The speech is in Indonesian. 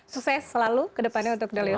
sukses selalu kedepannya untuk dalil